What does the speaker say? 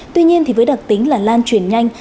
tuy nhiên với đặc tính là lan truyền nhanh